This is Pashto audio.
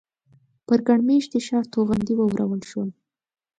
پر ګڼ مېشتي ښار توغندي وورول شول.